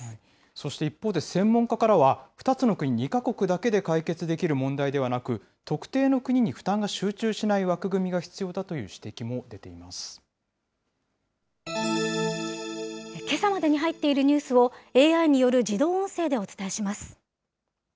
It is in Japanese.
そして一方で、専門家からは２つの国、２か国だけで解決できる問題ではなく、特定の国に負担が集中しない枠組みが必要だという指摘も出ていまけさまでに入っているニュースをＡＩによる自動音声でお伝えします。